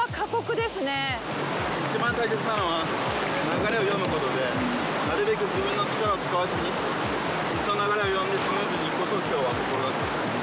一番大切なのは、流れを読むことで、なるべく自分の力を使わずに、水の流れを読んでスムーズに行くことをきょうは心がけてます。